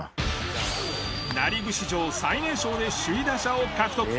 ナ・リーグ史上最年少で首位打者を獲得。